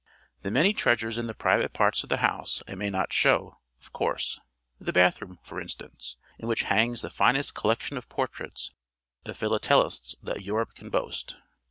The many treasures in the private parts of the house I may not show, of course; the bathroom, for instance, in which hangs the finest collection of portraits of philatelists that Europe can boast.